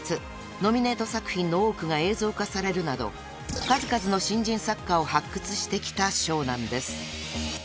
［ノミネート作品の多くが映像化されるなど数々の新人作家を発掘してきた賞なんです］